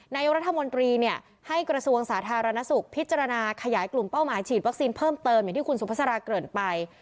นายกรัฐมนตรีเนี่ยให้กระทรวงสาธารณสุขพิจารณาขยายกลุ่มเป้าหมายฉีดวัคซีนเพิ่มเติมอย่างที่คุณสุภาษาเกริ่นไป